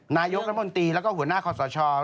นายกรัฐมนตรีแล้วก็หัวหน้าคอสช